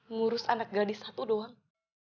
ngurus anak gadis satu doang